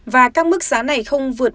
và các mức giá này không vượt